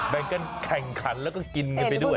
แบ่งกันแข่งขันแล้วก็กินกันไปด้วย